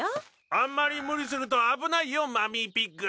あんまり無理すると危ないよマミーピッグ。